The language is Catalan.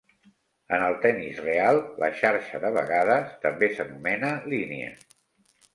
En el tenis real la xarxa de vegades també s'anomena "línia".